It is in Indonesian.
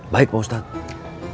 baik pak ustadz